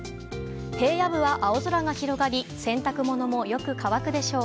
平野部は青空が広がり洗濯物もよく乾くでしょう。